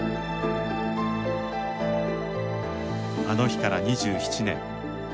あの日から２７年。